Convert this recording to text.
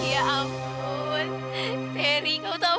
saya ingin mengucapkan terima kasih kepada anda